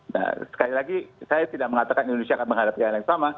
nah sekali lagi saya tidak mengatakan indonesia akan menghadapi hal yang sama